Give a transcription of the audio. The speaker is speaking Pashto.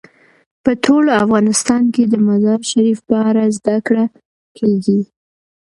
په ټول افغانستان کې د مزارشریف په اړه زده کړه کېږي.